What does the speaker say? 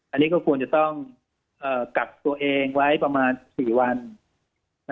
อันนี้ก็ควรจะต้องกักตัวเองไว้ประมาณ๔วัน